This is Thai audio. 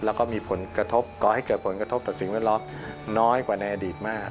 แล้วก็มีผลกระทบก่อให้เกิดผลกระทบต่อสิ่งแวดล้อมน้อยกว่าในอดีตมาก